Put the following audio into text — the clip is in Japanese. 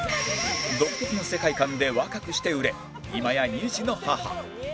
独特な世界観で若くして売れ今や２児の母